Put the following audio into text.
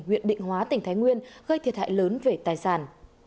huyện định hóa tỉnh thái nguyên gây thiệt hại lớn về tài sản